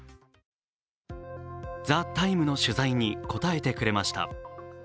「ＴＨＥＴＩＭＥ，」の取材に応えてくれました。